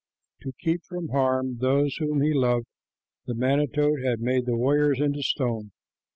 To keep from harm those whom he loved, the manito had made the warriors into stone.